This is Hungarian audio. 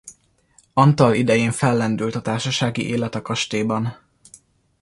Antal idején fellendült a társasági élet a kastélyban.